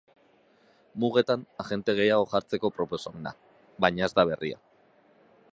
Mugetan agente gehiago jartzeko proposamena, baina, ez da berria.